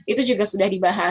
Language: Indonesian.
itu juga sudah dibahas